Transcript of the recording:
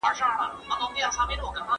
¬ د خيرات په ورځ د يتيم پزه ويني سي.